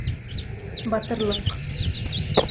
Батырлыҡ